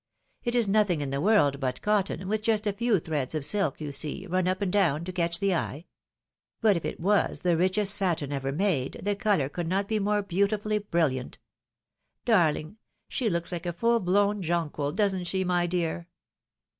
It is nothing in the world but cotton, with just a few threads of sSk, you see, run up and down, to catch the eye. But if it was the richest satin ever made, the colour could not be more beautifully briUiant. Darhng !— She looks like a full blown jonquil, doesn't slie, my dear?"